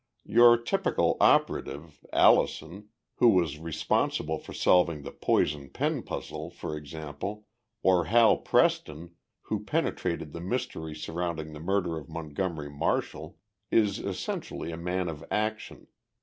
Your typical operative Allison, who was responsible for solving the poison pen puzzle, for example, or Hal Preston, who penetrated the mystery surrounding the murder of Montgomery Marshall is essentially a man of action.